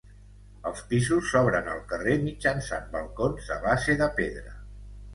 Els pisos s'obren al carrer mitjançant balcons de base de pedra.